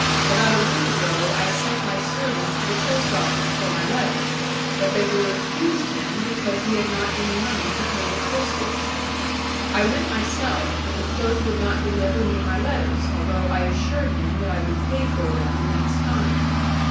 About a week ago I sent my servant to the postoffice for my letters, but they were refused him because he had not any money to pay the postage. I went myself, but the clerk would not deliver me my letters, although I assured him that I would pay for them the next time.